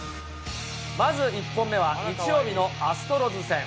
まず１本目は日曜日のアストロズ戦。